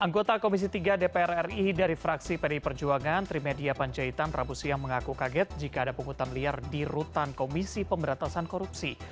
anggota komisi tiga dpr ri dari fraksi pdi perjuangan trimedia panjaitan rabu siang mengaku kaget jika ada pungutan liar di rutan komisi pemberantasan korupsi